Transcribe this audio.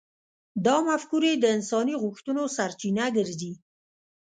دا مفکورې د انساني غوښتنو سرچینه ګرځي.